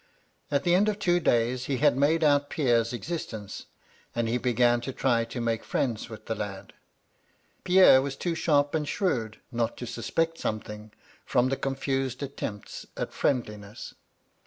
At the end of two days, he had made out Pierre's existence ; and he began to try to make friends with the lad. Pierre was too sharp and shrewd not to suspect something from the confused attempts at friendliness.